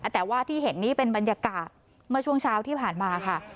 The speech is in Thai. แต่ว่าที่เห็นนี้เป็นบรรยากาศเมื่อช่วงเช้าที่ผ่านมาค่ะ